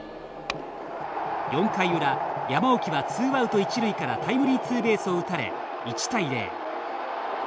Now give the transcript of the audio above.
４回裏、山沖はツーアウト一塁からタイムリーツーベースを打たれ１対０。